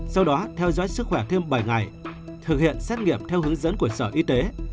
sau đó theo dõi sức khỏe thêm bảy ngày thực hiện xét nghiệm theo hướng dẫn của sở y tế